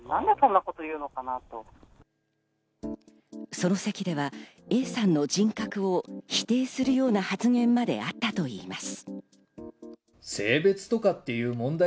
その席では、Ａさんの人格を否定するような発言まであったといいます。